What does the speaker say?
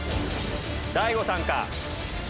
大悟さんか？